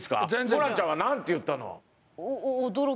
ホランちゃんはなんて言ったの？